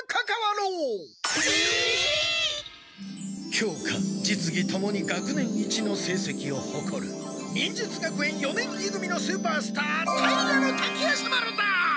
教科じつぎともに学年一のせいせきをほこる忍術学園四年い組のスーパースター平滝夜叉丸だ！